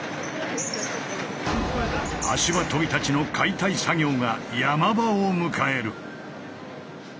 足場とびたちの解体作業が山場を迎える。